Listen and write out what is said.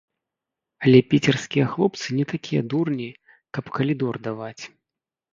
Але піцерскія хлопцы не такія дурні, каб калідор даваць.